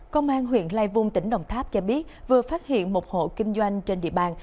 công an huyện lai vung tỉnh đồng tháp cho biết vừa phát hiện một hộ kinh doanh trên địa bàn